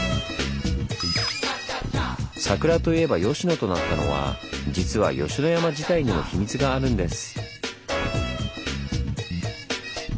「桜といえば吉野」となったのは実は吉野山自体にも秘密があるんです。